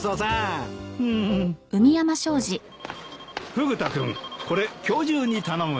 フグ田君これ今日中に頼むよ。